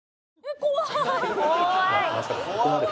「怖い」